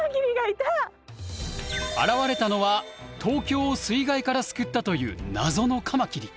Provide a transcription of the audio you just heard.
現れたのは東京を水害から救ったという謎のカマキリ。